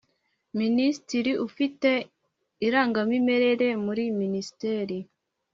Minisitiri ufite irangamimerere muri minister